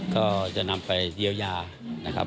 ก็จะนำไปเยียวยานะครับ